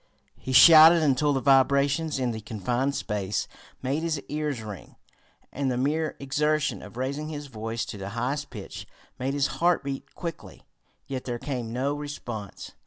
He shouted until the vibrations in the confined space made his ears ring, and the mere exertion of raising his voice to the highest pitch made his heart beat quickly. Yet there came no response.